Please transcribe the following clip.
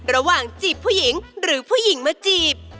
ระหว่างจีบผู้หญิงหรือผู้หญิงมาจีบ